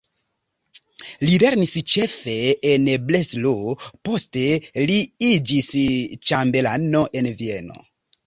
Li lernis ĉefe en Breslau, poste li iĝis ĉambelano en Vieno.